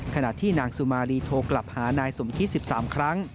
ขณะที่นางสุมารีโทรกลับหานายสมคิด๑๓ครั้ง